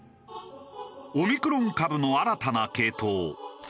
オミクロン株の新たな系統ＢＡ．２．７５